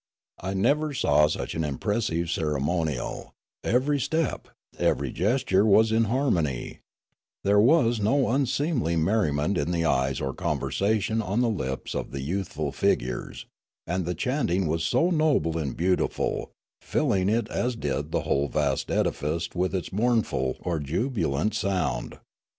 I nev^er saw such an impres sive ceremonial ; every step, every gesture was in har mon}' ; there was no unseemly merriment in the eyes or conversation on the lips of the youthful figures ; and the chanting was so noble and beautiful, filling as it did the whole vast edifice with its mournful, or jubilant sound.